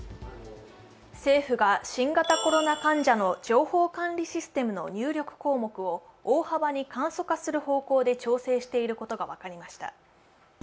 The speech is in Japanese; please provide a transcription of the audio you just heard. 政府が新型コロナ患者の情報管理システムの入力項目を大幅に簡素化する方向で調整していることが分かりました。